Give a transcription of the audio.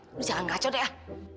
eh lo jangan ngaco deh ah